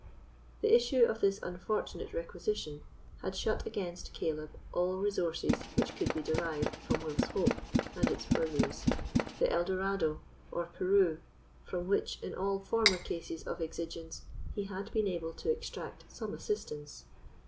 The issue of this unfortunate requisition had shut against Caleb all resources which could be derived from Wolf's Hope and its purlieus, the El Dorado, or Peru, from which, in all former cases of exigence, he had been able to extract some assistance.